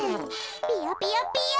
ピヨピヨピヨ。